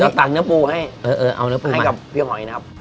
เราตักเนื้อปูให้เออเออเอาเนื้อปูมาให้กับเพียงหอยนะครับ